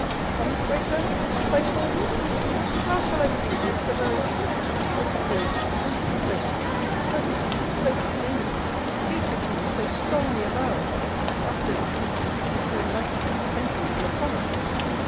Promise breaker must I call you? How shall I believe the asseveration, (your supposed duty in the question! Persecution so flaming! Hatred to me so strongly avowed!) after this instance of you so lightly dispensing with your promise?